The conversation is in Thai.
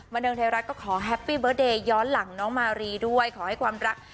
วันเดิมในรัดก็ขอย้อนหลังน้องมารีด้วยขอให้ความรัก